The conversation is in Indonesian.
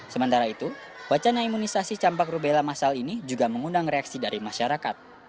sementara itu wacana imunisasi campak rubella masal ini juga mengundang reaksi dari masyarakat